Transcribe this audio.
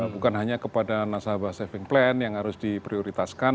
bukan hanya kepada nasabah saving plan yang harus diprioritaskan